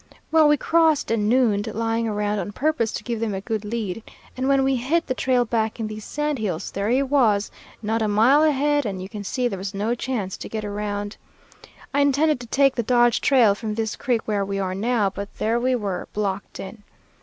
Well, we crossed and nooned, lying around on purpose to give them a good lead, and when we hit the trail back in these sand hills, there he was, not a mile ahead, and you can see there was no chance to get around. I intended to take the Dodge trail, from this creek where we are now, but there we were, blocked in!